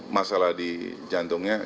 masalah di jantungnya